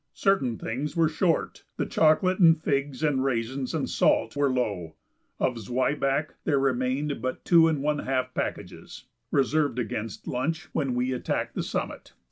Certain things were short: the chocolate and figs and raisins and salt were low; of the zwieback there remained but two and one half packages, reserved against lunch when we attacked the summit.